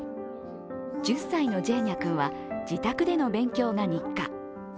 １０歳のジェーニャ君は自宅での勉強が日課。